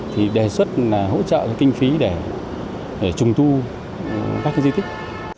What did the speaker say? thì đề xuất là hỗ trợ kinh phí để trùng tu các di tích